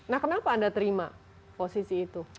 nah kenapa anda terima posisi itu